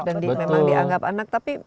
dan memang dianggap anak tapi